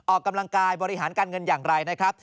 ออกกำลังกายบริหารการเงินอย่างไรนะครับ